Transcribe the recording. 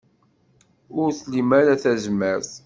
Ur tlim ara tazmert.